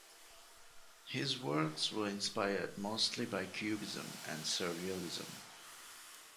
His works were inspired mostly by Cubism and Surrealism.